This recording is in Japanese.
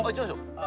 ああ。